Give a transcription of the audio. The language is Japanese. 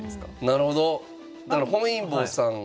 なるほど。